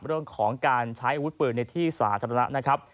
เรื่องของการใช้อาวุธปืนในที่สาธารณะนะครับ